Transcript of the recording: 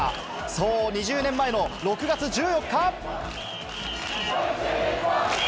そう、２０年前の６月１４日。